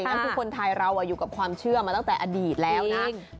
งั้นคือคนไทยเราอยู่กับความเชื่อมาตั้งแต่อดีตแล้วนะ